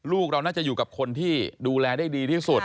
ลูกเราน่าจะอยู่กับคนที่ดูแลได้ดีที่สุด